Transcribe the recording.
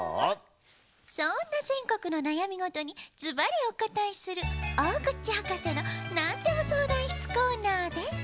そんなぜんこくのなやみごとにズバリおこたえする「大口博士のなんでも相談室」コーナーです。